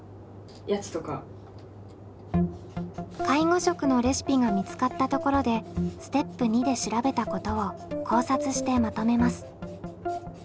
介護食のレシピが見つかったところでステップ２で調べたことを考察してまとめます。